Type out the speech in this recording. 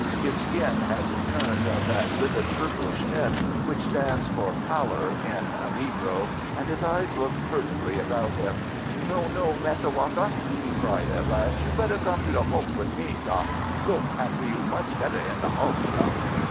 His skin had turned of that livid purplish tint which stands for pallor in a negro, and his eyes looked furtively about him. "No, no, Massa Walker," he cried, at last, "you better come to the hulk with me, sah. Look after you much better in the hulk, sah!"